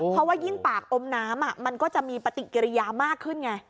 เพราะว่ายิ่งปากอมน้ำมันก็จะมีปฏิกิริยามากขึ้นไง